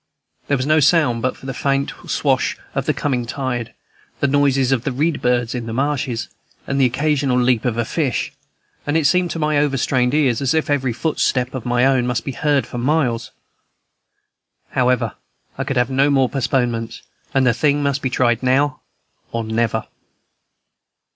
There was no sound but the faint swash of the coming tide, the noises of the reed birds in the marshes, and the occasional leap of a fish; and it seemed to my overstrained ear as if every footstep of my own must be heard for miles. However, I could have no more postponements, and the thing must be tried now or never.